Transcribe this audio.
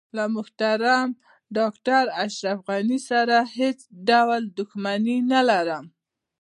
له محترم ډاکټر اشرف غني سره هیڅ ډول دښمني نه لرم.